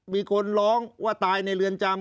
มีคนร้องว่าตายในเรือนจำ